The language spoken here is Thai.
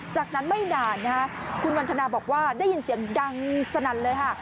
จากนั้นไม่นานคุณวันทนาบอกว่าได้ยินเสียงดังสนั่นเลยค่ะ